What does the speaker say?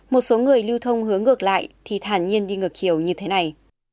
một số người lưu thông hướng ngược lại thì thản nhiên đi ngược chiều như thế này